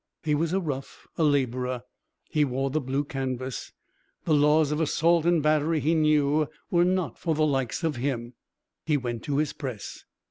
He was a rough a labourer. He wore the blue canvas. The laws of assault and battery, he knew, were not for the likes of him. He went to his press.